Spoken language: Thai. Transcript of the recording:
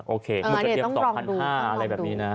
โอเคต้องลองดู